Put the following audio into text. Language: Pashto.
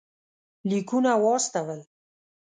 لیکونه واستول.